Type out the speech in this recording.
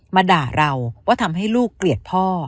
มาด่าเราว่าทำให้ลูกเกลียดพ่อ